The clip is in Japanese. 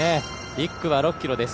１区は６ｋｍです。